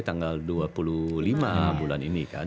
tanggal dua puluh lima bulan ini kan